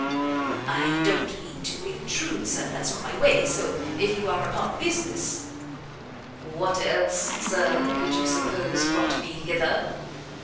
"I don't mean to intrude, Sir; that's not my way, so if you are upon business " "What else, Sir, could you suppose brought me hither?